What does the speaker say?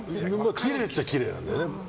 きれいっちゃきれいなんだよね。